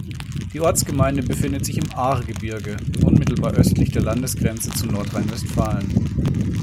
Die Ortsgemeinde befindet sich im Ahrgebirge, unmittelbar östlich der Landesgrenze zu Nordrhein-Westfalen.